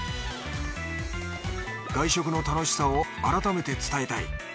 外食の楽しさを改めて伝えたい。